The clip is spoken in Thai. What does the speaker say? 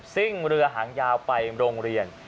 ซิ่งเรือหางยาวไปโรงเรียน